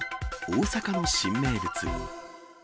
大阪の新名物。